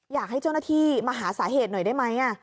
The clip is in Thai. อยากให้เจ้าหน้าที่มาหาสาเหตุหน่อยได้ไหม